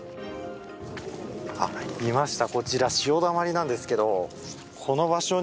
いました！